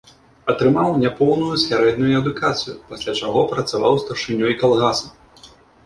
Атрымаў няпоўную сярэднюю адукацыю, пасля чаго працаваў старшынёй калгаса.